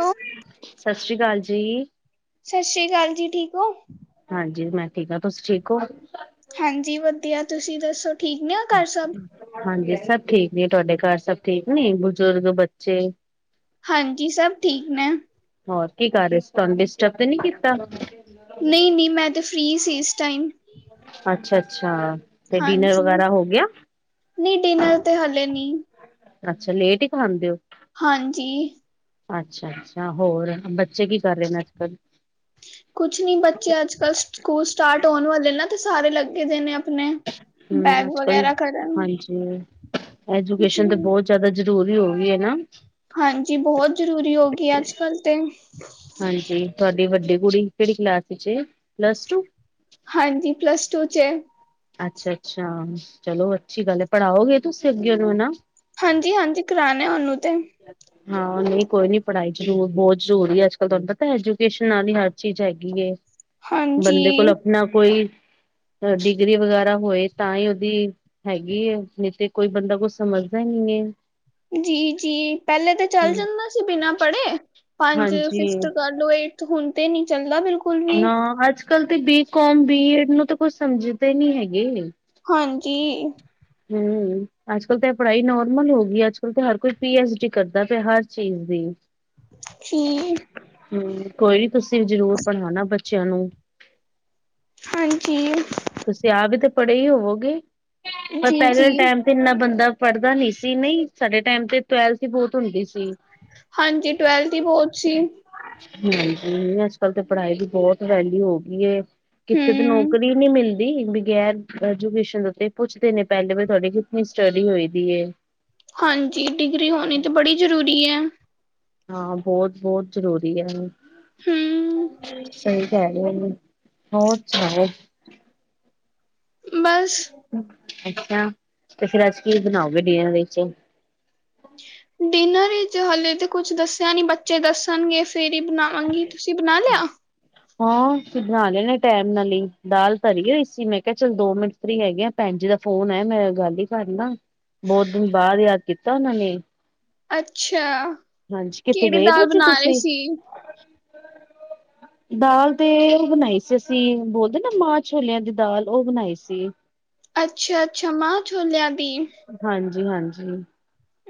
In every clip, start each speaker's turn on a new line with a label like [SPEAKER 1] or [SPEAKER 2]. [SPEAKER 1] Hello
[SPEAKER 2] ਸਸ਼ ਸ਼੍ਰੀ ਕਾਲ ਜੀ
[SPEAKER 1] ਸ਼ਸ਼ੀ ਕਾਲ ਜੀ, ਠੀਕ ਹੋ?
[SPEAKER 2] ਹਾਂਜੀ ਮੈਂ ਠੀਕ ਹਾਂ, ਤੁਸੀਂ ਠੀਕ ਹੋ?
[SPEAKER 1] ਹਾਂਜੀ ਵਧੀਆ, ਤੁਸੀਂ ਦੱਸੋ ਠੀਕ ਨੇ ਹੋ ਘਰ ਸਭ?
[SPEAKER 2] ਹਾਂਜੀ ਸਭ ਠੀਕ ਨੇ, ਤੁਹਾਡੇ ਘਰ ਸਭ ਠੀਕ ਨੇ ਬਜ਼ੁਰਗ, ਬੱਚੇ
[SPEAKER 1] ਹਾਂਜੀ, ਸਭ ਠੀਕ ਨੇ
[SPEAKER 2] ਹੋਰ ਕੀ ਕਰ ਰਹੇ ਸੀ, ਤੁਹਾਨੂੰ ਡਿਸਟਰਬ ਤੇ ਨੀ ਕੀਤਾ
[SPEAKER 1] ਨੀ ਨੀ, ਮੈਂ ਤੇ ਫਰੀ ਸੀ ਇਸ ਟਾਈਮ
[SPEAKER 2] ਅੱਛਾ ਅੱਛਾ ਤੇ ਡਿਨਰ
[SPEAKER 1] ਹਾਂਜੀ,
[SPEAKER 2] ਵਗੈਰਾ ਹੋ ਗਿਆ
[SPEAKER 1] ਨੀ ਡਿਨਰ ਤੇ ਹਲੇੇ ਨੀ
[SPEAKER 2] ਅੱਛਾ, ਲੇਟ ਈ ਖਾਂਦੇ ਹੋ?
[SPEAKER 1] ਹਾਂਜੀ
[SPEAKER 2] ਅੱਛਾ ਅੱਛਾ, ਹੋਰ ਬੱਚੇ ਕੀ ਕਰ ਰਹੇ ਨੇ ਅੱਜ ਕੱਲ੍ਹ?
[SPEAKER 1] ਕੁਛ ਨੀ ਬੱਚੇ ਅੱਜ ਕੱਲ੍ਹ ਸਕੂਲ ਸਟਾਰਟ ਹੋਣ ਵਾਲੇ ਨਾ ਤੇ ਸਾਰੇ ਲੱਗੇ ਦੇ ਨੇ ਅਪਨੇ,
[SPEAKER 2] ਹਮ
[SPEAKER 1] ਬੈਗ
[SPEAKER 2] ਅੱਜ ਕੱਲ
[SPEAKER 1] ਵਗੈਰਾ ਖੜਨ
[SPEAKER 2] ਐਜੂਕੇਸ਼ਨ ਤੇ ਬਹੁਤ ਜਿਆਦਾ ਜ਼ਰੂਰੀ ਹੋ ਗੀ ਏ ਨਾ
[SPEAKER 1] ਹਾਂਜੀ, ਬਹੁਤ ਜ਼ਰੂਰੀ ਹੋ ਗੀ ਅੱਜ ਕੱਲ੍ਹ ਤੇ
[SPEAKER 2] ਹਾਂਜੀ, ਤੁਹਾਡੀ ਵੱਡੀ ਕੁੜੀ ਕੇਹੜੀ ਕਲਾਸ ਚ ਏ, ਪਲੱਸ ਟੂ?
[SPEAKER 1] ਹਾਂਜੀ ਪਲੱਸ ਟੂ ਚ ਏ
[SPEAKER 2] ਅੱਛਾ ਅੱਛਾ, ਚਲੋ ਅੱਛੀ ਗੱਲ ਹੈ, ਪੜ੍ਹਾਓਗੇ ਤੁਸੀਂ ਅੱਗੇ ਨੂੰ ਹੈਨਾ
[SPEAKER 1] ਹਾਂਜੀ ਹਾਂਜੀ, ਕਰਾਣੇ ਉਹਨੂੰ ਤੇ
[SPEAKER 2] ਹਾਂ ਨੀ ਕੋਈ ਨੀ ਪੜ੍ਹਾਈ ਜ਼ਰ ਬਹੁਤ ਜ਼ਰੂਰੀ ਹੈ ਅੱਜ ਕੱਲ ਤੁਹਾਨੂੰ ਪਤਾ ਐਜੂਕੇਸ਼ਨ ਨਾਲ ਹੀ ਹਰ ਚੀਜ਼ ਹੈਗੀ ਏ ਬੰਦੇ
[SPEAKER 1] ਹਾਂਜੀ
[SPEAKER 2] ਕੋਲ ਅਪਨਾ ਕੋਈ ਡਿਗਰੀ ਵਗੈਰਾ ਹੋਏ ਤਾਈ ਉਹਦੀ ਹੈਗੀ ਏ ਨਈ ਤੇ ਕੋਈ ਬੰਦਾ ਕੁਛ ਸਮਝਦਾ ਈ ਨਈ ਏ।
[SPEAKER 1] ਜੀ ਜੀ, ਪਹਿਲੇ ਤੇ ਚੱਲ
[SPEAKER 2] ਹੈ
[SPEAKER 1] ਜਾਂਦਾ ਸੀ ਬਿਨਾਂ ਪੜ੍ਹੇ ਪੰਜ
[SPEAKER 2] ਹਾਂਜੀ
[SPEAKER 1] ਫਿਫਥ ਕਰ ਲਓ ਏ ਹੁਨ ਤੇ ਨੀ ਚੱਲਦਾ ਬਿਲਕੁਲ ਵੀ
[SPEAKER 2] ਨਾ ਅੱਜ ਕੱਲ ਤੇ ਬੀਕੌਮ, ਬੀਏਡ ਨੂੰ ਤੇ ਕੁਛ ਸਮਝਦੇ ਨੀ ਹੈਗੇ
[SPEAKER 1] ਹਾਂਜੀ
[SPEAKER 2] ਹਮ, ਅੱਜ ਕਲ ਤੇ ਏ ਪੜ੍ਹਾਈ ਨੋਰਮਲ ਹੋ ਗੀ ਏ ਅੱਜ ਕਲ ਤੇ ਹਰ ਕੋਈ ਪੀ ਐਚ ਡੀ ਕਰਦਾ ਪਿਆ ਹਰ ਚੀਜ਼ ਦੀ
[SPEAKER 1] ਠੀ
[SPEAKER 2] ਹਮ, ਕੋਈ ਨੀ ਤੁਸੀਂ ਜ਼ਰੂਰ ਪੜ੍ਹਾਉਣਾ ਬੱਚਿਆਂ ਨੂੰ।
[SPEAKER 1] ਹਾਂਜੀ।
[SPEAKER 2] ਤੁਸੀਂ ਆਪ ਵੀ ਤਾਂ ਪੜ੍ਹੇ ਹੀ ਹੋਵੋਗੇ। ਪਰ
[SPEAKER 1] ਜੀ
[SPEAKER 2] ਪਹਿਲੇ
[SPEAKER 1] ਜੀ
[SPEAKER 2] ਟਾਈਮ ਇੰਨਾ ਬੰਦਾ ਪੜ੍ਹਦਾ ਨੀ ਸੀ, ਨਹੀਂ ਸਾਡੇ ਟਾਈਮ ਤੇ ਟਵੈਲਥ ਹੀ ਬਹੁਤ ਹੁੰਦੀ ਸੀ।
[SPEAKER 1] ਹਾਂਜੀ, ਟਵੈਲਥ ਦੀ ਬਹੁਤ ਸੀ।
[SPEAKER 2] ਹਾਂਜੀ, ਅੱਜ-ਕੱਲ ਤੇ ਪੜ੍ਹਾਈ ਦੀ ਬਹੁਤ ਵੈਲਿਊ ਹੋ ਗਈਏ। ਕਿੱਥੇ ਤੇ
[SPEAKER 1] ਹੂੰ
[SPEAKER 2] ਨੌਕਰੀ ਨਹੀਂ ਮਿਲ- ਨਹੀ, ਬਗੈਰ ਅਜੂਕੇਸ਼ਨ ਉੱਤੇ ਪੁੱਛਦੇ ਨੇ ਪਹਿਲੇ ਤੁਹਾਡੀ ਕਿਤਨੀ ਸਟੱਡੀ ਹੋਈ ਵੀ ਏ?
[SPEAKER 1] ਹਾਂਜੀ, ਡਿਗਰੀ ਹੋਣੀ ਤਾਂ ਬੜੀ ਜ਼ਰੂਰੀ ਐ।
[SPEAKER 2] ਹਾਂ, ਬਹੁਤ- ਬਹੁਤ ਜ਼ਰੂਰੀ ਹੈ।
[SPEAKER 1] ਹੂੰ
[SPEAKER 2] ਸਹੀ ਕਹਿ [inaudible] ਹੋਰ ਸੁਣਾਓ?
[SPEAKER 1] ਬਸ।
[SPEAKER 2] ਅੱਛਾ, ਤੇ ਫੇਰ ਅੱਜ ਕੀ ਬਣਾਓਗੇ ਡਿਨਰ ਵਿੱਚ?
[SPEAKER 1] ਡਿਨਰ ਵਿੱਚ ਹਲੇ ਤੇ ਕੁਛ ਦੱਸਿਆ ਨੀ, ਬੱਚੇ ਦੱਸਣਗੇ ਫੇਰ ਹੀ ਬਣਾਵਾਂਗੀ ਤੁਸੀਂ ਬਣਾ ਲਿਆ
[SPEAKER 2] ਹਾਂ, ਅਸੀ ਬਣਾ ਲੈਣੇ ਟੈਮ ਨਾਲ ਈ ਦਾਲ ਧਰੀ ਹੋਈ ਸੀ, ਮੈਂ ਕਿਹਾ ਚਲ ਦੋ ਮਿੰਟ ਫਰੀ ਹੈਗੇ ਭੈਣ ਜੀ ਦਾ ਫੋਨ ਆਇਆ, ਮੈਂ ਗੱਲ ਹੀ ਕਰਲਾ ਬਹੁਤ ਦਿਨ ਬਾਅਦ ਯਾਦ ਕੀਤਾ ਉਹਨਾਂ ਨੇ।
[SPEAKER 1] ਅੱਛਾ,
[SPEAKER 2] ਹਾਂਜੀ ਕਿੱਥੇ
[SPEAKER 1] ਕਿਹੜੀ
[SPEAKER 2] ਗਏ ਦੇ
[SPEAKER 1] ਦਾਲ
[SPEAKER 2] ਸੀ
[SPEAKER 1] ਬਣਾ ਰਹੇ
[SPEAKER 2] ਤੁਸੀਂ
[SPEAKER 1] ਸੀ?
[SPEAKER 2] ਦਾਲ ਤੇ ਉਹ ਬਣਾਈ ਸੀ ਅਸੀਂ ਬੋਲਦੇ ਨਾ ਮਾਂ ਛੋਲਿਆਂ ਦੀ ਦਾਲ ਉਹ ਬਣਾਈ ਸੀ।
[SPEAKER 1] ਅੱਛਾ-ਅੱਛਾ, ਮਾਹ ਛੋਲਿਆ ਦੀ।
[SPEAKER 2] ਹਾਂਜੀ- ਹਾਂਜੀ,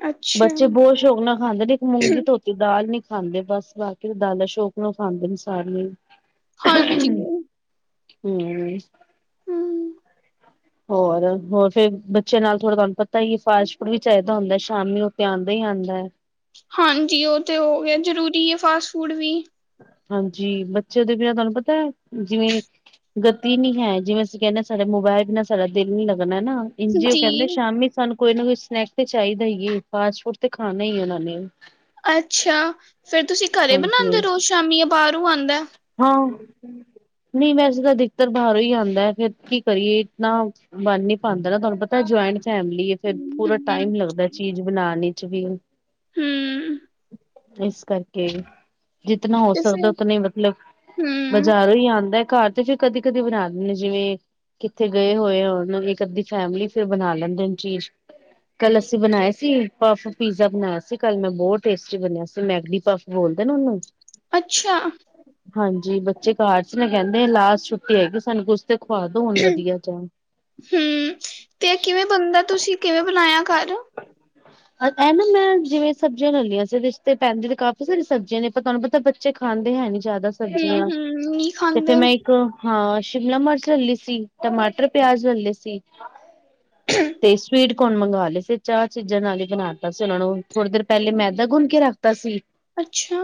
[SPEAKER 1] ਅੱਛਾ
[SPEAKER 2] ਬੱਚੇ ਬਹੁਤ ਸ਼ੌਕ ਨਾਲ ਖਾਂਦੇ ਨੇ ਇੱਕ ਮੂੰਗੀ ਧੋ ਤੇ ਦਾਲ ਨੀ ਖਾਂਦੇ ਬਸ ਬਾਕੀ ਦਾਲਾਂ ਸ਼ੌਕ ਨੂੰ ਖਾਂਦੇ ਨੇ ਸਾਰੀਆਂ ਹੀ।
[SPEAKER 1] ਹਾਂਜੀ।
[SPEAKER 2] ਹੂੰ।
[SPEAKER 1] ਹਮ
[SPEAKER 2] ਹੋਰ-ਹੋਰ ਫੇਰ ਬੱਚੇ ਨਾਲ ਥੋੜ੍ਹਾ ਤੁਹਾਨੂੰ ਪਤਾ ਹੀ ਫਾਸਟ ਫੂਡ ਵੀ ਚਾਹੀਦਾ ਹੁੰਦੇ, ਸ਼ਾਮੀ ਨੂੰ ਉਹ ਆਂਦਾ ਹੀ ਆਂਦਾ ਐ।
[SPEAKER 1] ਹਾਂਜੀ, ਉਹ ਤਾਂ ਹੋ ਗਿਆ, ਜ਼ਰੂਰੀ ਏ ਫਾਸਟ ਫੂਡ ਵੀ।
[SPEAKER 2] ਹਾਂਜੀ, ਬੱਚਿਆਂ ਦੇ ਬਿਨਾਂ ਤੁਹਾਨੂੰ ਪਤਾ ਹੈ? ਜਿਵੇਂ ਗਤੀ ਨੀ ਹੈ, ਜਿਵੇਂ ਅਸੀਂ ਕਹਿੰਦੇ ਸਾਡੇ ਮੋਬਾਇਲ ਬਿਨਾ ਸਾਡਾ ਦਿਲ ਨੀ ਲੱਗਣਾ ਨਾ। ਇੰਜ ਉਹ
[SPEAKER 1] ਜੀ
[SPEAKER 2] ਕਹਿੰਦੇ ਸ਼ਾਮੀ ਸਾਨੂੰ ਕੋਈ ਨਾ ਕੋਈ ਸਨੈਕ ਤੇ ਚਾਹੀਦਾ ਹੀ ਏ, ਫਾਸਟ ਫੂਡ ਤੇ ਖਾਣਾ ਹੀ ਐ ਉਹਨਾਂ ਨੇ
[SPEAKER 1] ਅੱਛਾ, ਫੇਰ ਤੁਸੀਂ ਘਰੇ
[SPEAKER 2] ਹਾਂਜੀ
[SPEAKER 1] ਬਣਾਉਂਦੇ ਰੋਜ਼ ਸ਼ਾਮੀ ਜਾਂ ਬਾਹਰੋਂ ਆਂਦਾ?
[SPEAKER 2] ਹਾਂ, ਨਹੀਂ ਵੈਸੇ ਤਾਂ ਦਿਕਤਰ ਬਾਹਰੋਂ ਹੀ ਆਉਂਦਾ। ਫੇਰ ਕੀ ਕਰੀਏ ਇਤਨਾ ਬਣ ਨ ਪਾਉਂਦਾ ਨਾ ਤੁਹਾਨੂੰ ਪਤਾ ਜੁਆਇੰਟ ਫੈਮਿਲੀ ਏ ਫਿਰ ਪੂਰਾ
[SPEAKER 1] ਹਮ
[SPEAKER 2] ਟਾਈਮ ਲੱਗਦਾ ਚੀਜ਼ ਬਣਾਉਣ ਚ ਵੀ
[SPEAKER 1] ਹਮ
[SPEAKER 2] ਇਸ ਕਰਕੇ ਕੇ ਜਿਤਨਾ ਹੋ
[SPEAKER 1] ਤੇ
[SPEAKER 2] ਸਕਦਾ,
[SPEAKER 1] ਫਿਰ
[SPEAKER 2] ਉਤਨਾ ਮਤਲਬ
[SPEAKER 1] ਹਮ
[SPEAKER 2] ਬਾਜ਼ਾਰ ਤੋ ਈ ਆਂਦਾ। ਘਰ ਤੇ ਫਿਰ ਕਦੇ- ਕਦੇ ਬਣਾ ਦਿੰਦੇ ਜਿਵੇਂ ਕਿੱਥੇ ਗਏ ਹੋਏ ਆਂ ਨਾਲ ਇੱਕ ਅੱਧੀ ਫੈਮਲੀ ਫਿਰ ਬਣਾ ਲੈਂਦੇ ਚੀਜ਼ ਕੱਲ ਅਸੀਂ ਬਣਾਏ ਸੀ ਪਫ ਪੀਜ਼ਾ ਬਣਾਇਆ ਸੀ, ਕੱਲ ਮੈਂ ਬਹੁਤ ਟੇਸਟੀ ਬਣਿਆ ਸੀ ਮੈਗਨੀ ਪਫ ਬੋਲਦੇ ਨਾ ਉਹਨੂੰ।
[SPEAKER 1] ਅੱਛਾ?
[SPEAKER 2] ਹਾਂਜੀ, ਬੱਚੇ ਘਰ ਚ ਨੇ ਕਹਿੰਦੇ ਲਾਸਟ ਛੁੱਟੀ ਹੈਗੀ, ਸਾਨੂੰ ਕੁਛ ਤੇ ਖਵਾ ਦੋ ਹੁਣ ਵਧੀਆ ਜਿਹਾ।
[SPEAKER 1] ਹੂੰ, ਤੇ ਕਿਵੇਂ ਬਣਦਾ, ਤੁਸੀਂ ਕਿਵੇਂ ਬਣਾਇਆ ਘਰ?
[SPEAKER 2] ਇਹ ਨਾ ਮੈਂ ਜਿਵੇਂ ਸਬਜ਼ੀਆਂ ਲੈ ਲਈਆਂ ਸੀ, ਰਿਸ਼ਤੇ ਪੈਂਦੇ ਤੇ ਕਾਫ਼ੀ ਸਾਰੀ ਸਬਜ਼ੀਆਂ ਨੇ ਪਰ ਤੁਹਾਨੂੰ ਪਤਾ ਬੱਚੇ ਖਾਂਦੇ ਹੈ ਨੀ ਜ਼ਿਆਦਾ ਸਬਜ਼ੀਆਂ,
[SPEAKER 1] ਹਮ ਹਮ ਨਹੀਂ
[SPEAKER 2] ਤੇ ਫੇਰ
[SPEAKER 1] ਖਾਂਦੇ
[SPEAKER 2] ਮੈਂ ਇੱ ਕ ਹਾਂ, ਸ਼ਿਮਲਾ-ਮਿਰਚ ਲੈ ਲਈ ਸੀ, ਟਮਾਟਰ, ਪਿਆਜ ਲੈਣ ਲਏ ਸੀ ਤੇ ਸਵੀਟ ਕੋਣ ਮੰਗਵਾ ਲਏ ਸੀ ਚਾਹ ਚੀਜ਼ਾਂ ਨਾਲ ਹੀ ਬਣਾ ਦਿੱਤਾ ਸੀ ਉਹਨਾਂ ਨੂੰ ਥੋੜੀ ਦੇਰ ਪਹਿਲੇ ਮੈਦਾ ਗੁੰਨ ਕੇ ਰੱਖ ਦਿਤਾ ਸੀ।
[SPEAKER 1] ਅੱਛਾ।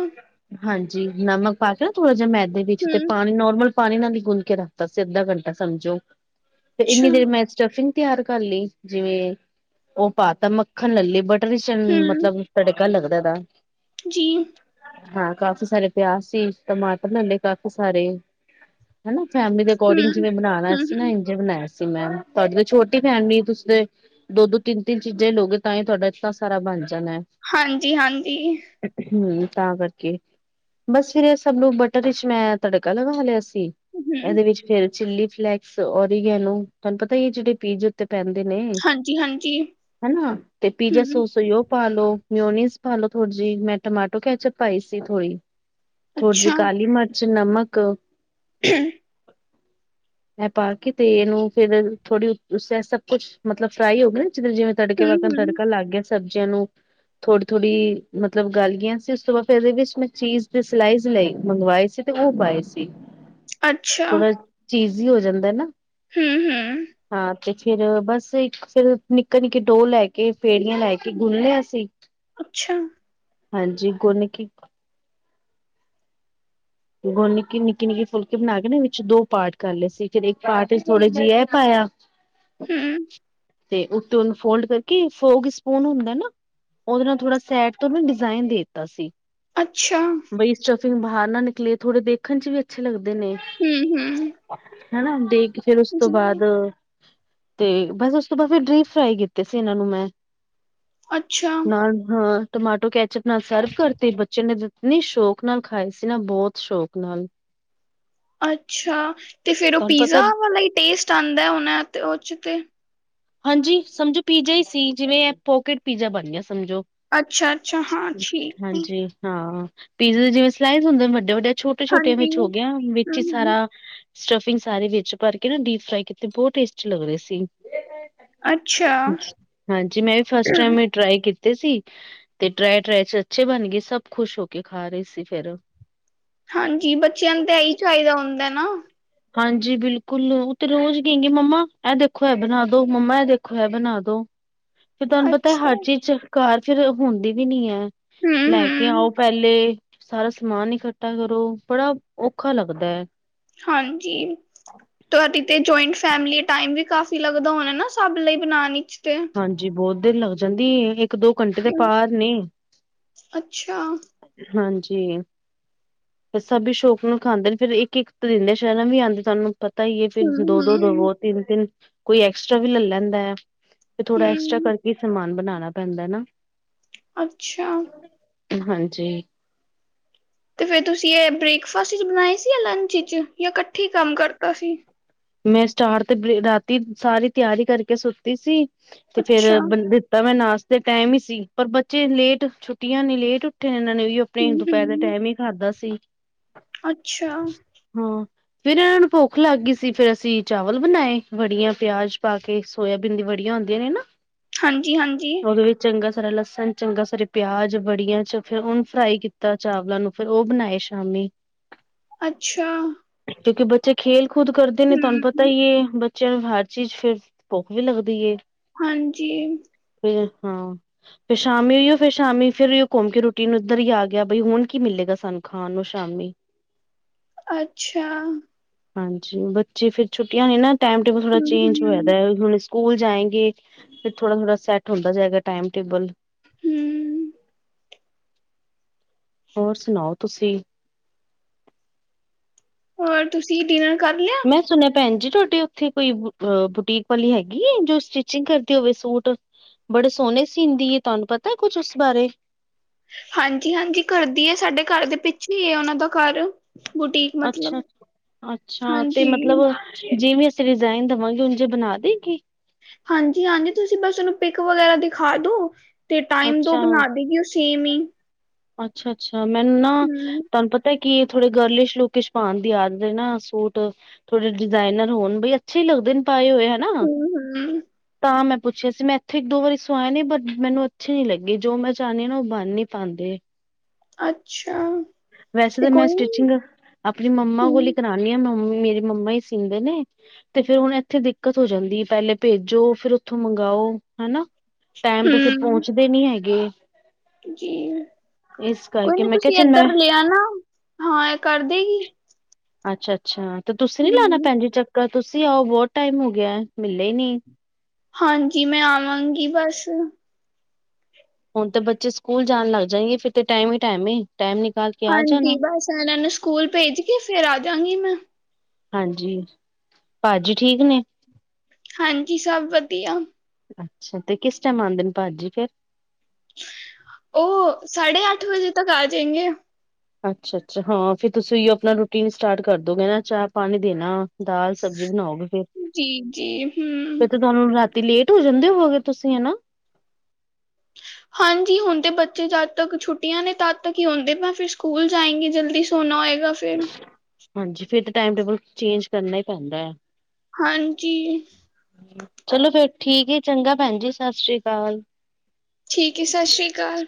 [SPEAKER 2] ਹਾਂਜੀ ਨਮਕ ਪਾ ਕੇ ਨਾ ਥੋੜਾ ਜਿਹਾ ਮੈਦੇ ਵਿੱਚ ਤੇ
[SPEAKER 1] ਹਮ
[SPEAKER 2] ਪਾਣੀ ਨੋਰਮਲ ਪਾਣੀ ਨਾਲ ਹੀ ਗੁੰਨ ਕੇ ਰੱਖਦਾ ਸੀ ਅੱਧਾ ਘੰਟਾ ਸਮਝੋ ਤੇ
[SPEAKER 1] ਅੱਛਾ
[SPEAKER 2] ਇੰਨੀ ਦੇਰ ਮੈਂ ਸਟਫਿੰਗ ਤਿਆਰ ਕਰ ਲਈ ਜਿਵੇਂ ਉਹ ਪਾ ਤਾਂ ਮੱਖਣ ਲੱਲੇ ਬਟ ਟਡੀਸ਼ਨ
[SPEAKER 1] ਹਮ
[SPEAKER 2] ਮਤਲਬ ਤੜਕਾ ਲੱਗਦਾ ਇਹਦਾ।
[SPEAKER 1] ਜੀ।
[SPEAKER 2] ਹਾਂ ਕਾਫੀ ਸਾਰੇ ਪਿਆਜ ਸੀ ਟਮਾਟਰ ਲੈੇ ਕਾਫੀ ਸਾਰੇ ਹਨਾ ਫੈਮਿਲੀ ਦੇ ਅਕੋਰਿੰਡਿਗ
[SPEAKER 1] ਹਮ
[SPEAKER 2] ਜਿਵੇਂ ਬਣਾਉਣਾ
[SPEAKER 1] ਹਮ
[SPEAKER 2] ਸੀ ਨਾ। ਬਣਾਇਆ ਸੀ ਮੈਂ ਤੁਹਾਡੀ ਤਾਂ ਛੋਟੀ ਫੈਮਲੀ ਤੁਸੀਂ ਤੇ ਦੋ ਦੋ ਤਿੰਨ ਤਿੰਨ ਚੀਜ਼ਾਂ ਲੋਗੇ, ਤਾਂ ਹੀ ਤੁਹਾਡਾ ਇਤਨਾਂ ਸਾਰਾ ਬਣ ਜਾਣਾ ਹੈ।
[SPEAKER 1] ਹਾਂਜੀ ਹਾਂਜੀ।
[SPEAKER 2] ਹੂੰ, ਤਾਂ ਕਰਕੇ ਬਸ ਫਿਰ ਸਭ ਨੂੰ ਬਟਰ ਵਿਚ ਮੈਂ ਤੜਕਾ ਲਗਾ ਲਿਆ ਸੀ
[SPEAKER 1] ਹਮ
[SPEAKER 2] ਇਹਦੇ ਵਿੱਚ ਫਿਰ ਚਿੱਲੀ ਫਲੇੈਕਸ ਔਰਗੈਨੋ ਤੁਹਾਨੂੰ ਪਤਾ ਹੀ ਐ ਜਿਹੜੇ ਪੀਜ਼ੇ ਉੱਤੇ ਪੈਂਦੇ ਨੇ,
[SPEAKER 1] ਹਾਂਜੀ ਹਾਂਜੀ
[SPEAKER 2] ਹਨਾ ਤੇ ਪੀਜ਼ਾ ਸੌ
[SPEAKER 1] ਹਮ
[SPEAKER 2] ਉਹ ਪਾ ਲੋ ਮਿਓਨੀਸ ਪਾ ਲੋ ਥੋੜੀ ਜੀ ਮੈਂ ਟਮਾਟੋ ਕੈਚਪ ਪਾਈ ਸੀ ਥੋੜੀ। ਥੋੜੀ ਜਿਹੀ
[SPEAKER 1] ਅੱਛਾ
[SPEAKER 2] ਕਾਲੀ ਮਿਰਚ ਨਮਕ।
[SPEAKER 1] [unintelligible]
[SPEAKER 2] ਇਹ ਪਾ ਕੇ ਤੇ ਇਹਨੂੰ ਫਿਰ ਥੋੜੀ ਸਾ ਸਭ ਕੁੱਛ ਮਤਲਬ ਫਰਾਈ ਹੋ ਗਏ ਨਾ ਜਿਵੇਂ ਜਿਵੇਂਂ ਤੜਕੇ ਵਣ
[SPEAKER 1] ਹੂੰ-ਹੂੰ,
[SPEAKER 2] ਤੜਕਾ ਲਗ ਗਿਆ। ਸਬਜ਼ੀਆਂ ਨੂੰ ਥੋੜੀ ਥੋੜੀ ਮਤਲਬ ਗਾਲ ਗਈਆਂ ਸੀ, ਉਸ ਤੋਂ ਬਾਅਦ ਫਿਰ ਇਹਦੇ ਵਿੱਚ ਮੈਂ ਚੀਜ਼ ਤੇ ਸਲਾਈਸ ਲਈ ਮੰਗਵਾਏ ਸੀ ਤੇ ਉਹ ਪਾਏ ਸੀ,
[SPEAKER 1] ਅੱਛਾ,
[SPEAKER 2] ਥੋੜਾ ਚੀਜੀ ਹੀ ਹੋ ਜਾਂਦਾ ਨਾ।
[SPEAKER 1] ਹੂੰ ਹੂੰ।
[SPEAKER 2] ਹਾਂ [unintelligible] ਬਸ ਇੱਕ ਫਿਰ ਨਿੱਕਾ ਨਿੱਕੇ ਡੋਹ ਲੈ ਕੇ, ਫੇੜੀਆਂ ਲੈ ਕੇ ਗੁੰਨਲਿਆ ਸੀ।
[SPEAKER 1] ਅੱਛਾ।
[SPEAKER 2] ਹਾਂਜੀ, ਗੁੰਨ ਕੇ ਗੁੰਨ ਕੇ ਨਿੱਕੇ ਨਿੱਕੇ ਫੁਲਕੇ ਬਣਾ ਕੇ ਨਾ ਵਿੱਚ ਦੋ ਪਾਟ ਕਰ ਲਏ ਸੀ, ਫਿਰ ਇੱਕ ਪਾਰਟ ਥੋੜੇ ਜਿਹੇ ਇਹ ਪਾਇਆ।
[SPEAKER 1] ਹੂੰ,,,
[SPEAKER 2] ਤੇ ਉੱਤੇ ਉਹਨੂੰ ਫੋਲਡ ਕਰਕੇ, ਫੋਗ ਸਪੂਨ ਹੁੰਦਾ ਨਾ। ਉਹਦੇ ਨਾਲ ਥੋੜਾ ਸੈਡ ਤੋਂ ਨਾ ਡਿਜ਼ਾਇਨ ਦੇਤਾ ਸੀ।
[SPEAKER 1] ਅੱਛਾ।
[SPEAKER 2] ਬਈ ਸਟਫਿੰਗ ਬਾਹਰ ਨਾ ਨਿਕਲੇ, ਥੋੜੇ ਦੇਖਣ ਚ ਵੀ ਅੱਛੇ ਲੱਗਦੇ ਨੇ।
[SPEAKER 1] ਹੂੰ ਹੂੰ।
[SPEAKER 2] ਹਨਾ ਦੇ ਕੇ ਫਿਰ ਉਸ ਤੋਂ ਬਾਅਦ ਤੇ ਬਸ ਉਸ ਤੋਂ ਬਾਅਦ ਫਿਰ ਡੀਪ ਫਰਾਈ ਕੀਤੇ ਸੀ ਇਹਨਾਂ ਨੂੰ ਮੈਂ
[SPEAKER 1] ਅੱਛਾ,
[SPEAKER 2] ਨਾਲ ਹਾਂ। ਟਮਾਟੋ ਕੈਚਪ ਨਾਲ ਸਰਵ ਕਰ ਤੇ ਬੱਚੇ ਨੇ ਇਤਨੀ ਸ਼ੌਕ ਨਾਲ ਖਾਏ ਸੀ ਨਾ ਬਹੁਤ ਸ਼ੌਕ ਨਾਲ।
[SPEAKER 1] ਅੱਛਾ ਤੇ ਫਿਰ ਉਹ
[SPEAKER 2] ਤੁਹਾਨੂੰ ਪਤਾ
[SPEAKER 1] ਪੀਜ਼ਾ ਵਾਲਾ ਟੇਸਟ ਆਦਾ ਹੋਣਾ ਤੇ ਉਹ ਚ ਤੇ।
[SPEAKER 2] ਹਾਂਜੀ ਸਮਝੋ ਪੀਜ਼ਾ ਹੀ ਸੀ ਜਿਵੇਂ ਹੈ ਪੋਕੇਟ ਪੀਜ਼ਾ ਬਣ ਗਿਆ ਸਮਝੋ।
[SPEAKER 1] ਅੱਛਾ-ਅੱਛਾ ਹਾਂ ਠੀਕ ਆ,
[SPEAKER 2] ਹਾਂਜੀ ਹਾਂ। ਪੀਜ਼ੇ ਦੇ ਜਿਵੇਂ ਸਲਾਈਜ਼ ਹੁੰਦੇ ਵੱਡੇ ਵੱਡੇ ਛੋਟੇ ਛੋਟੇ
[SPEAKER 1] ਹਾਂਜੀ,
[SPEAKER 2] ਵਿੱਚ ਹੋ ਗਿਆ ਵਿੱਚ ਹੀ
[SPEAKER 1] ਹੂੰ-ਹੂੰ,
[SPEAKER 2] ਸਾਰਾ ਸਟਫਿੰਗ ਸਾਰੇ ਵਿੱਚ ਭਰ ਕੇ ਨਾ ਡੀਪ ਫਰਾਈ ਕੀਤੇ ਬਹੁਤ ਟੇਸਟੀ ਲੱਗ ਰਏ ਸੀ।
[SPEAKER 1] ਅੱਛਾ,
[SPEAKER 2] [unintelligible] ਜਿਵੇਂ ਫਸਟ ਟਾਈਮ ਏ ਟਰਾਈ ਕੀਤੇ ਸੀ, ਤੇ ਟਰਾਈ ਟਰਾਈ 'ਚ ਅੱਛੇ ਬਣ ਗਏ, ਸਭ ਖੁਸ਼ ਹੋ ਕੇ ਖਾ ਰਹੇ ਸੀ ਫੇਰ।
[SPEAKER 1] ਹਾਂਜੀ, ਬੱਚਿਆਂ ਨੂੰ ਤਾਂ ਇਹੀ ਚਾਹੀਦਾ ਹੁੰਦਾ ਨਾ।
[SPEAKER 2] ਹਾਂਜੀ ਬਿਲਕੁਲ, ਉਹ ਤੇ ਰੋਜ਼ ਕਹੇ ਗੇ, ਮੰਮਾ ਇਹ ਦੇਖੋ ਐ ਬਣਾ ਦੋ ਮੰਮਾ ਇਹ ਦੇਖੋ, ਏ ਬਣਾ ਦੋ। ਫਿਰ ਤੁਹਾਨੂੰ ਪਤਾ,
[SPEAKER 1] ਅੱਛਾ,
[SPEAKER 2] ਹਰ ਚੀਜ਼ 'ਚ ਕਾਰ ਫਿਰ ਹੁੰਦੀ ਵੀ ਨੀ ਐ। ਲੈ ਕੇ
[SPEAKER 1] ਹੂੰ-ਹੂੰ,
[SPEAKER 2] ਆਓ ਪਹਿਲੇ। ਸਾਰਾ ਸਮਾਨ ਇਕੱਠਾ ਕਰੋ, ਬੜਾ ਔਖਾ ਲੱਗਦਾ ਐ।
[SPEAKER 1] ਹਾਂਜੀ, ਤੁਹਾਡੀ ਤੇ ਜੁਆਇੰਟ ਫੈਮਲੀ ਐ ਟਾਈਮ ਵੀ ਕਾਫੀ ਲੱਗਦਾ ਹੋਣਾ ਨਾ, ਸਭ ਲਈ ਬਣਾਉਣ ਇਚ ਤੇ?
[SPEAKER 2] ਹਾਂਜੀ, ਬਹੁਤ ਦੇਰ ਲੱਗ ਜਾਂਦੀ ਐ, ਇੱਕ ਦੋ ਘੰਟੇ ਤੇ ਪਾਰ ਨੇ।
[SPEAKER 1] ਅੱਛਾ।
[SPEAKER 2] ਹਾਂਜੀ। ਸਭ ਈ ਸ਼ੌਕ ਨੂੰ ਖਾਂਦੇ ਨੇ, ਫਿਰ ਇੱਕ ਇੱਕ ਪਰਿੰਦੇ ਸ਼ਰਮ ਵੀ ਆਉਂਦੇ ਤੁਹਾਨੂੰ। ਪਤਾ ਹੀ ਐ ਫਿਰ ਦੋ ਦੋ
[SPEAKER 1] ਹਮ
[SPEAKER 2] ਦਵੋ, ਤਿੰਨ ਤਿੰਨ ਕੋਈ ਐਕਸਟਰਾ ਵੀ ਲੈ ਲੈਂਦਾ ਐ। ਫਿਰ ਥੋੜਾ
[SPEAKER 1] ਹਮ
[SPEAKER 2] ਐਕਸਟ੍ਰਰਾ ਕਰਕੇ ਈ ਸਮਾਨ ਬਣਾਣਾ ਪੈਂਦਾ ਏ ਨਾ।
[SPEAKER 1] ਅੱਛਾ।
[SPEAKER 2] ਹਾਂਜੀ।
[SPEAKER 1] ਤੇ ਫੇਰ ਤੁਸੀਂ ਇਹ ਬ੍ਰੇਕਫਾਸਟ ਵਿੱਚ ਬਣਾਏ ਸੀ ਜਾਂ ਲੰਚ ਵਿੱਚ ਜਾਂ ਇਕੱਠੀ ਈ ਕੰਮ ਕਰਤਾ ਸੀ।
[SPEAKER 2] ਮੈਂ ਸਟਾਰਟ ਤੇ ਰਾਤੀ, ਸਾਰੀ ਤਿਆਰੀ ਕਰਕੇ ਸੁੱਤੀ ਸੀ ਤੇ ਫੇਰ
[SPEAKER 1] ਅੱਛਾ
[SPEAKER 2] ਤਾਂ ਮੈਂ ਨਾਸ਼ਤੇ ਦੇ ਟਾਈਮ ਹੀ ਸੀ, ਪਰ ਬੱਚੇ ਲੇਟ ਛੁੱਟੀਆਂ ਨੇ ਲੇਟ ਉੱਠੇ ਨੇ ਇਹਨਾਂ ਨੇ ਯੂ ਪੇ ਨੇ
[SPEAKER 1] ਹਮ
[SPEAKER 2] ਦੁਪਹਿਰ ਦੇ
[SPEAKER 1] ਹਮ
[SPEAKER 2] ਟਾਈਮ ਹੀ ਖਾਧਾ ਸੀ।
[SPEAKER 1] ਅੱਛਾ।
[SPEAKER 2] ਹਾਂ ਫਿਰ ਇਹਨਾਂ ਨੂੰ ਭੁੱਖ ਲੱਗ ਗਈ। ਸੀ, ਫਿਰ ਅਸੀਂ ਚਾਵਲ ਬਣਾਏ ਵੜੀਆਂ ਪਿਆਜ ਪਾ ਕੇ ਸੋਇਬੀਨ ਦੀ ਵੜੀਆਂ ਹੁੰਦੀਆਂ ਨੇ ਨਾ।
[SPEAKER 1] ਹਾਂਜੀ ਹਾਂਜੀ।
[SPEAKER 2] ਉਹਦੇ ਵਿੱਚ ਚੰਗਾ ਸਾਰਾ ਲਸਣ, ਚੰਗਾ ਸਾਰੇ ਪਿਆਜ ਬੜੀਆਂ ਚ ਫਿਰ ਹੁਣ ਫਰਾਈ ਕੀਤਾ ਚਾਵਲਾਂ ਨੂੰ। ਫੇਰ ਉਹ ਬਣਾਏ ਸ਼ਾਮੀ।
[SPEAKER 1] ਅੱਛਾ।
[SPEAKER 2] ਕਿਉਂਕਿ ਬੱਚੇ ਖੇਲ ਕੂਦ ਕਰਦੇ ਨੇ ਤੁਹਾਨੂੰ ਪਤਾ
[SPEAKER 1] ਹਮ
[SPEAKER 2] ਹੀ ਹੈ। ਚਲ ਹਰ ਚੀਜ਼ ਫੇਰ ਭੁੱਖ ਵੀ ਲੱਗਦੀ ਏ
[SPEAKER 1] ਹਾਂਜੀ।
[SPEAKER 2] ਫੇਰ ਹਾਂ। ਫਿਰ ਸ਼ਾਮੀ ਹੋਈ ਫਿਰ ਸ਼ਾਮੀ ਫੇਿਰ ਘੁੰਮ ਕੇ ਰੁਟੀਨ ਇੱਧਰ ਹੀ ਆ ਗਿਆ, ਬਈ ਹੁਣ ਕੀ ਮਿਲੇਗਾ ਸਾਨੂੰ ਖਾਣ ਨੂੰ ਸ਼ਾਮੀ।
[SPEAKER 1] ਅੱਛਾ।
[SPEAKER 2] ਹਾਂਜੀ ਬੱਚੇ ਫਿਰ ਛੁੱਟੀਆਂ ਨੇ ਨਾ ਟਾਈਮ ਟੇਬਲ ਥੋੜਾ
[SPEAKER 1] ਹਮ
[SPEAKER 2] ਚੇਂਜ ਹੋਇਆ
[SPEAKER 1] ਹਮ
[SPEAKER 2] ਦਾ ਐ ਹੁਣ ਸਕੂਲ ਜਾਏਗੇ। ਫਿਰ ਥੋੜਾ ਥੋੜ੍ਹ ਸੈਟ ਹੁੰਦਾ ਜਾਏਗਾ ਟਾਈਮ ਟੇਬਲ।
[SPEAKER 1] ਹੂ
[SPEAKER 2] ਹੋਰ ਸੁਣਾਓ ਤੁਸੀਂ।
[SPEAKER 1] ਹੋਰ ਤੁਸੀਂ ਡਿਨਰ ਕਰ ਲਿਆ।
[SPEAKER 2] ਮੈਂ ਸੁਣਿਆ ਭੈਣ ਜੀ ਤੁਹਾਡੇ ਉੱਥੇ ਕੋਈ ਬੁਟੀਕ ਵਾਲੀ ਹੈਗੀ ਐ, ਜੋ ਸਟਿਚਿੰਗ ਕਰਦੀ ਹੋਵੇ ਸੂਟ। ਬੜੇ ਸੋਹਣੇ ਸੀਨਦੀ ਐ, ਤੁਹਾਨੂੰ ਪਤਾ ਕੁਝ ਉਸ ਬਾਰੇ।
[SPEAKER 1] ਹਾਂਜੀ ਹਾਂਜੀ ਕਰਦੀ ਐ, ਸਾਡੇ ਘਰ ਦੇ ਪਿੱਛੇ ਹੈ ਉਹਨਾਂ ਦਾ ਘਰ। ਬੁਟੀਕ
[SPEAKER 2] ਅੱਛਾ
[SPEAKER 1] ਮਤਲਬ
[SPEAKER 2] ਅੱਛਾ ਤੇ ਮਤਲਬ
[SPEAKER 1] ਹਾਂਜੀ
[SPEAKER 2] ਜਿਵੇਂ ਅਸੀਂ ਡਿਜ਼ਾਇਨ ਦੇਵਾਂਗੇ ਉਂਜੇ ਈ ਬਣਾ ਦੇਗੀ।
[SPEAKER 1] ਹਾਂਜੀ ਹਾਂਜੀ ਤੁਸੀਂ ਬਸ ਉਹਨੂੰ ਪਿੱਕ ਵਗੈਰਾ ਦਿਖਾ ਦੋ। ਤੇ ਟਾਈਮ ਦੋ ਬਣਾ ਦੇਗੀ ਉਹ ਸੇਮ ਈ।
[SPEAKER 2] ਅੱਛਾ ਅੱਛਾ ਮੈਨੂੰ ਨਾ
[SPEAKER 1] ਹਮ
[SPEAKER 2] ਤੁਹਾਨੂੰ ਪਤਾ ਕਿ ਥੋੜੇ ਗਰਲਿਸ਼ ਲੁਕ ਇਚ ਪਾਉਣ ਦੀ ਆਦਤ ਏ ਨਾ ਸੂਟ। ਥੋੜੇ ਜਿਹੇ ਡਿਜ਼ਾਇਨਰ ਹੋਣ ਬਈ ਅੱਛੇ ਹੀ ਲੱਗਦੇ ਨੇ ਪਾਏ ਹੋਏ। ਹੈਨਾ
[SPEAKER 1] ਹਮ ਹਮ
[SPEAKER 2] ਤਾਂ ਮੈਂ ਪੁੱਛਿਆ ਸੀ ਮੈਂ ਇੱਥੇ ਇੱਕ ਦੋ ਵਾਰੀ ਸੁਆਏ ਨੇ ਬਟ ਮੈਨੂੰ ਅੱਛੇ ਨੀ ਲੱਗੀ ਜੋ ਮੈਂ ਚਾਹੁੰਦੀ ਹਾਂ ਨਾ ਉਹ ਬੰਨ ਨੀ ਪਾਉਂਦੇ।
[SPEAKER 1] ਅੱਛਾ।
[SPEAKER 2] ਵੈਸੇ
[SPEAKER 1] ਤੇ
[SPEAKER 2] ਤਾਂ ਮੈਂ
[SPEAKER 1] ਕੋਈ ਨੀ
[SPEAKER 2] ਸਟਿਚਿੰਗ ਆਪਣੀ ਮੰਮਾ ਕੋਲ ਹੀ
[SPEAKER 1] ਹਮ
[SPEAKER 2] ਕਰਾਂ ਮੇਰੀ ਮੰਮਾ ਮੇਰੀ ਮੰਮਾ ਹੀ ਸੀਨਦੇ ਨੇ। ਤੇ ਫੇਰ ਹੁਣ ਇੱਥੇ ਦਿੱਕਤ ਹੋ ਜਾਂਦੀ ਹੈ ਪਹਿਲੇ ਭੇਜੋ ਫੇਰ ਉੱਥੋਂ ਮੰਗਵਾਓ। ਹਨਾ ਟਾਈਮ ਤੇ ਫਿਰ
[SPEAKER 1] ਹਮ
[SPEAKER 2] ਪਹੁੰਚਦੇ ਨੀ ਹੈਗੇ।
[SPEAKER 1] ਜੀ
[SPEAKER 2] ਇਸ
[SPEAKER 1] ਕੋਈ
[SPEAKER 2] ਕਰਕੇ
[SPEAKER 1] ਨੀ
[SPEAKER 2] ਮੈਂ ਕਿਹਾ
[SPEAKER 1] ਤੁਸੀਂ
[SPEAKER 2] ਚੱਲ ਮੈਂ
[SPEAKER 1] ਇਧਰ ਲੇ ਆਣਾ ਹਾਂ ਇਹ ਕਰ ਦੇਗੀ।
[SPEAKER 2] ਅੱਛਾ ਅੱਛਾ ਤੇ ਤੁਸੀਂ ਨੀ ਲਾਉਣਾ
[SPEAKER 1] ਹਮ
[SPEAKER 2] ਭੈਣ ਜੀ ਚੱਕਰ ਤੁਸੀਂ ਆਓ ਬਹੁਤ ਟਾਈਮ ਹੋ ਗਿਆ ਮਿਲੇ ਹੀ ਨੀ।
[SPEAKER 1] ਹਾਂਜੀ ਮੈਂ ਆਵਾਂਗੀ ਬਸ।
[SPEAKER 2] ਹੁਣ ਤੇ ਬੱਚੇ ਸਕੂਲ ਜਾਣ ਲੱਗ ਜਾਏਗੇ ਫਿਰ ਤੇ ਟਾਈਮ ਹੀ ਟਾਈਮ ਏ ਟਾਈਮ ਨਿਕਲ
[SPEAKER 1] ਹਾਂਜੀ ਬਸ ਇਹਨਾਂ ਨੂੰ ਸਕੂਲ ਭੇਜ ਕੇ ਫੇਰ ਆਜਾਗੀ ਮੈਂ।
[SPEAKER 2] ਹਾਂਜੀ, ਭਾਜੀ ਠੀਕ ਨੇ।
[SPEAKER 1] ਹਾਂਜੀ ਸਭ ਵਧੀਆ।
[SPEAKER 2] ਅੱਛਾ ਤੇ ਕਿਸ ਟਾਈਮ ਆਉਂਦੇ ਨੇ ਭਾਜੀ ਫਿਰ।
[SPEAKER 1] ਉਹ ਸਾਢੇ ਅੱਠ ਵਜੇ ਤੱਕ ਆ ਜਾਏਗੇ।
[SPEAKER 2] ਅੱਛਾ ਅੱਛਾ ਹਾਂ ਫਿਰ ਤੁਸੀਂ ਆਪਣਾ ਰੂਟੀਨ ਸਟਾਰਟ ਕਰ ਦੋਉਗੇ ਨਾ ਚਾਹ ਪਾਣੀ ਦੇਣਾ। ਦਾਲ ਸਬਜ਼ੀ ਬਣਾਓਗੇ ਫੇਰ।
[SPEAKER 1] ਜੀ ਜੀ ਹਮ
[SPEAKER 2] ਤੁਹਾਨੂੰ ਰਾਤੀ ਲੇਟ ਹੋ ਜਾਂਦੇ ਹੋਵੋਗੇ ਤੁਸੀਂ ਹਨਾ
[SPEAKER 1] ਹਾਂ ਹਾਂਜੀ ਹੁਣ ਬੱਚੇ ਜਦ ਤੱਕ ਛੁੱਟੀਆਂ ਨੇ ਤਦ ਤੱਕ ਹੀ ਹੁੰਦੇ ਮ ਫਿਰ ਸਕੂਲ ਜਾਏਗੇ ਜਲਦੀ ਸੋਣਾ ਹੋਏਗਾ। ਬ
[SPEAKER 2] ਹਾਂਜੀ ਫੇਰ ਤਾਂ ਟਾਈਮ ਟੇਬਲ ਚੇਂਜ ਕਰਨਾ ਹੀ ਪੈਂਦਾ ਹੈ
[SPEAKER 1] ਹਾਂਜੀ
[SPEAKER 2] ਚਲੋ ਫੇਰ ਠੀਕ ਏ ਚੰਗਾ ਭੈਣ ਜੀ ਸਤਿ ਸ੍ਰੀ ਅਕਾਲ
[SPEAKER 1] ਠੀਕ ਹੈ ਸਤਿ ਸ੍ਰੀ ਅਕਾਲ